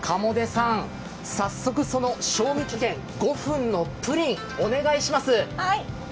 早速、その賞味期限５分のプリンお願いします。